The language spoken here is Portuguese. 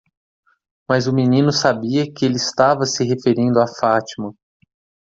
Mas o menino sabia que ele estava se referindo a Fátima.